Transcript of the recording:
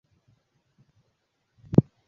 Kaunti zote kaskazini mwa Kenya